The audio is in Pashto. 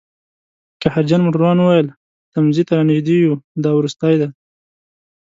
قهرجن موټروان وویل: تمځي ته رانژدي یوو، دا وروستی دی